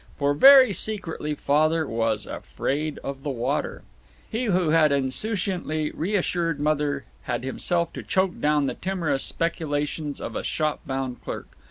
For, very secretly, Father was afraid of the water. He who had insouciantly reassured Mother had himself to choke down the timorous speculations of a shop bound clerk.